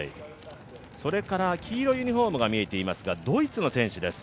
それから黄色いユニフォームが見えていますが、ドイツの選手です